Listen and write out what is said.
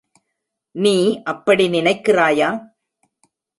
நீ அப்படி நினைக்கிறாயா?